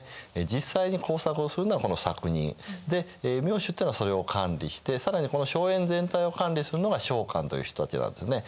実際に耕作をするのはこの作人。で名主っていうのはそれを管理して更にこの荘園全体を管理するのが荘官という人たちなんですね。